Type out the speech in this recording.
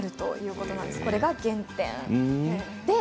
これが原点なんです。